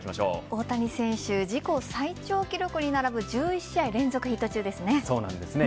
大谷選手、自己最長記録に並ぶ１１試合連続ヒット中ですね。